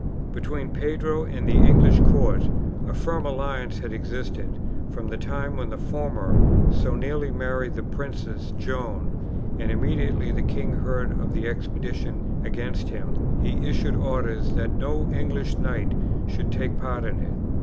Between Pedro and the English court a firm alliance had existed from the time when the former so nearly married the Princess Joan, and immediately the king heard of the expedition against him he issued orders that no English knights should take part in it.